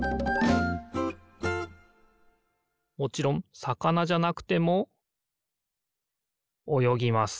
もちろんさかなじゃなくてもおよぎます